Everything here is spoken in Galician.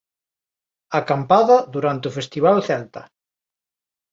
Acampada durante o Festival Celta